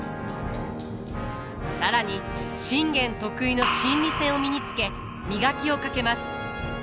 更に信玄得意の心理戦を身につけ磨きをかけます。